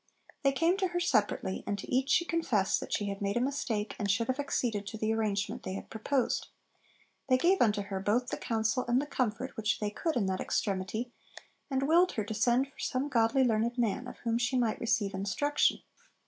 They came to her separately, and to each she confessed that she had made a mistake, and should have acceded to the arrangement they had proposed. 'They gave unto her both the counsel and the comfort which they could in that extremity, and willed her to send for some godly learned man, of whom she might receive instruction.'